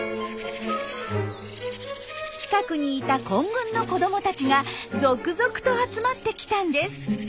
近くにいた混群の子どもたちが続々と集まってきたんです。